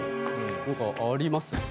何かあります？